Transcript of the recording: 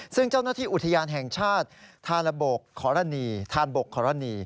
ซึ่งเจ้าหน้าที่อุทยานแห่งชาติทานบกขอรณี